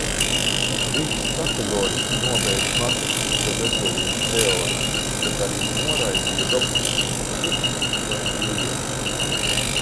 Viņš kategoriski nobeidza marksistisko bezdievības teoriju, bet arī noraidīja dogmatiskos priekšstatus par Dievu.